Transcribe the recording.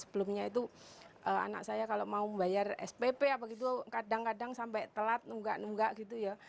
sebelumnya itu anak saya kalau mau membayar spp apa gitu kadang kadang sampai telat nunggak nunggak gitu ya